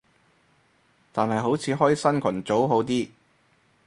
但係好似開新群組好啲